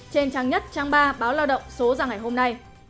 trên trang nhất trang ba báo lao động số ra ngày hôm nay